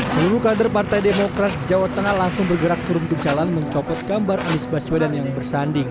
seluruh kader partai demokrat jawa tengah langsung bergerak turun ke jalan mencopot gambar anies baswedan yang bersanding